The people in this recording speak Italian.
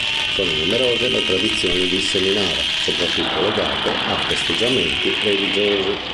Sono numerose le tradizioni di Seminara, soprattutto legate a festeggiamenti religiosi.